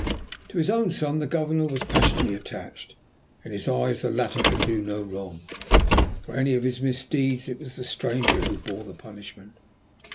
To his own son the Governor was passionately attached. In his eyes the latter could do no wrong. For any of his misdeeds it was the stranger who bore the punishment.